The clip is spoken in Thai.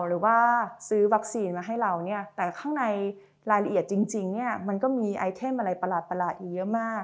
หรือว่าซื้อวัคซีนมาให้เราเนี่ยแต่ข้างในรายละเอียดจริงเนี่ยมันก็มีไอเทมอะไรประหลาดอีกเยอะมาก